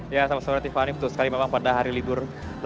ya sama sama tifani betul sekali memang pada hari libur